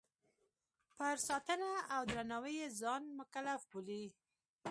پر ساتنه او درناوي یې ځان مکلف بولي.